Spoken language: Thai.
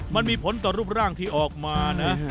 มันมีผลต่อรูปร่างที่ออกมานะ